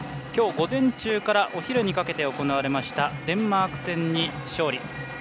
きょう、午前中からお昼にかけて行われましたデンマーク戦に勝利。